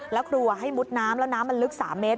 แล้วครัวให้มุดน้ำแล้วน้ำมันลึก๓เมตร